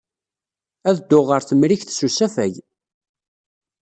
Ad dduɣ ɣer Temrikt s usafag.